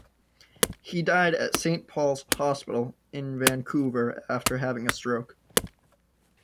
He died at Saint Paul's Hospital in Vancouver after having a stroke.